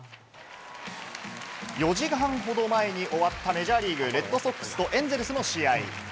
４時間ほど前に終わったメジャーリーグ、レッドソックスとエンゼルスの試合。